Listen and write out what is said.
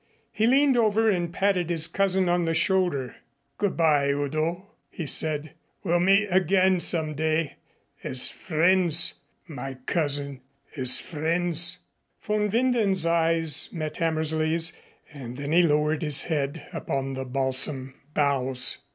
He leaned over and patted his cousin on the shoulder. "Good by, Udo," he said. "We'll meet again, some day, as friends, my cousin as friends." Von Winden's eyes met Hammersley's and then he lowered his head upon the balsam boughs.